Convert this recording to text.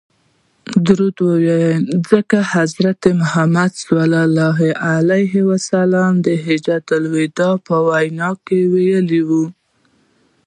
ځکه حضرت رسول ص د حجة الوداع په وینا کي وویل.